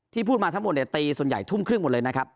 พูดมาทั้งหมดเนี่ยตีส่วนใหญ่ทุ่มครึ่งหมดเลยนะครับ